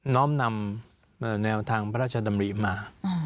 ้อมนำแนวทางพระราชดำริมา